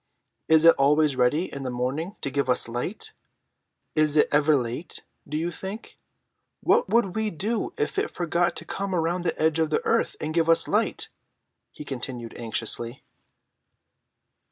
Is it always ready in the morning to give us light? Is it ever late, do you think? What would we do if it forgot to come round the edge of the earth and give us light?" he continued anxiously.